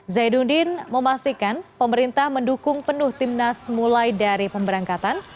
zainuddin memastikan pemerintah mendukung penuh timnas mulai dari pemberangkatan